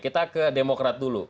kita ke demokrat dulu